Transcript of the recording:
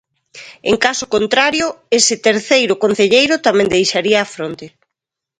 En caso contrario, ese terceiro concelleiro tamén deixaría a fronte.